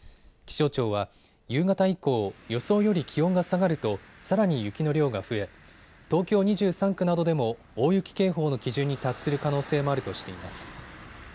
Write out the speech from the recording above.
気象庁は夕方以降、予想より気温が下がるとさらに雪の量が増え東京２３区などでも大雪警報の基準に達する可能性もあるとしています。